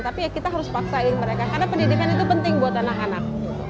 tapi ya kita harus paksain mereka karena pendidikan itu penting buat anak anak